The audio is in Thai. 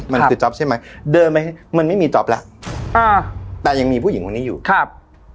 มันคือจ๊อปใช่ไหมเดินไปมันไม่มีจ๊อปแล้วอ่าแต่ยังมีผู้หญิงคนนี้อยู่ครับ